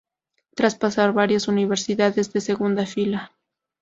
Tras pasar por varias universidades de segunda fila.